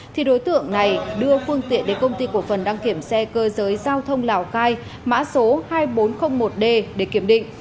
thì đối tượng này đưa phương tiện đến công ty cổ phần đăng kiểm xe cơ giới giao thông lào cai mã số hai nghìn bốn trăm linh một d để kiểm định